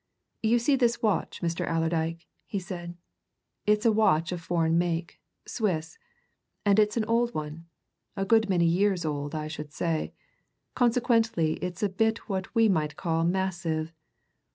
"You see this watch, Mr. Allerdyke," he said. "It's a watch of foreign make Swiss and it's an old one, a good many years old, I should say. Consequently, it's a bit what we might call massive.